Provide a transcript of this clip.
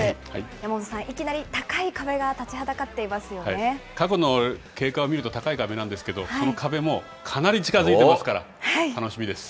山本さん、いきなり高い壁が立ちはだ過去の経過を見ると、高い壁なんですけど、その壁もかなり近づいていますから、楽しみです。